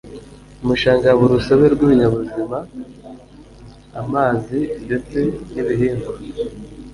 mu bishanga haba urusobe rw'ibinyabuzima, amazi ndetse n'ibihingwa